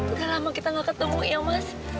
udah lama kita gak ketemu ya mas